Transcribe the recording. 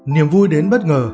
niềm vui đến bất ngờ